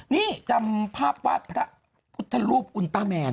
นี่จำภาพวาดพระพุทธรูปคุณป้าแมน